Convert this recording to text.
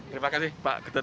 terima kasih pak ketut